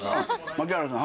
槙原さん